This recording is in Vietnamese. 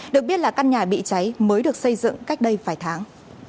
được biết là căn nhà bị cháy mới được xây dựng cách đây vài tháng